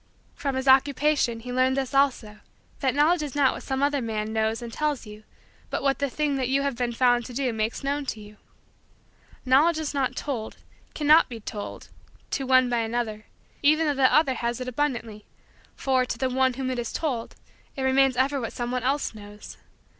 From his Occupation, he learned this also: that Knowledge is not what some other man knows and tells you but what the thing that you have found to do makes known to you. Knowledge is not told, cannot be told, to one by another, even though that other has it abundantly for, to the one to whom it is told, it remains ever what someone else knows.